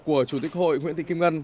của chủ tịch hội nguyễn thị kim ngân